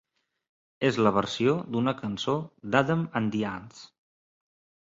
És la versió d'una cançó d'Adam and the Ants.